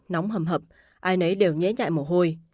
nóng hầm hập ai nấy đều nhẽ nhại mồ hôi